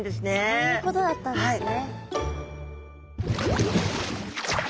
そういうことだったんですね。